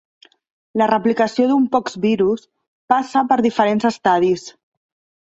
La replicació d'un poxvirus passa per diferents estadis.